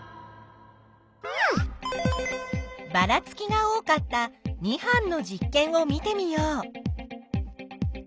ばらつきが多かった２班の実験を見てみよう。